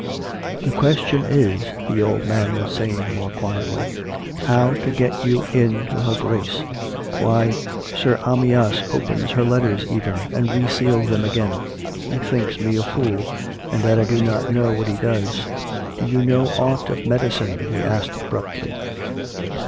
..."... The question is," the old man was saying more quietly, " how to get you in to her Grace. Why, Sir Arayas opens her letters even, and reseals them again ! He thinks me a fool, and that I do not know what he does. ... Do you know aught of medicine ?" he asked abruptly.